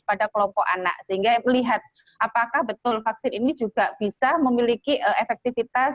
pada kelompok anak sehingga melihat apakah betul vaksin ini juga bisa memiliki efektivitas